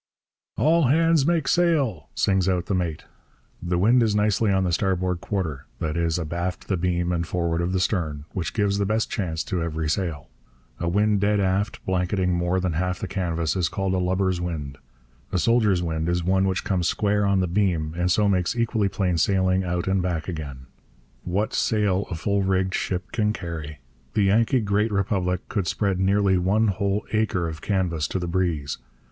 'All hands make sail!' sings out the mate. The wind is nicely on the starboard quarter, that is, abaft the beam and forward of the stern, which gives the best chance to every sail. A wind dead aft, blanketing more than half the canvas, is called a lubber's wind. A soldier's wind is one which comes square on the beam, and so makes equally plain sailing out and back again. What sail a full rigged ship can carry! The Yankee Great Republic could spread nearly one whole acre of canvas to the breeze.